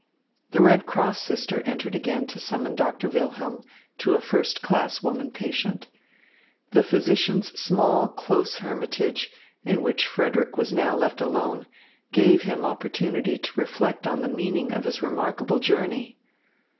The Red Cross sister entered again to summon Doctor Wilhelm to a first class woman patient. The physician's small, close hermitage, in which Frederick was now left alone, gave him opportunity to reflect upon the meaning of his remarkable journey.